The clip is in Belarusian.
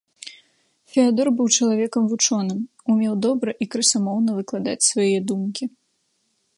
Феадор быў чалавекам вучоным, умеў добра і красамоўна выкладаць свае думкі.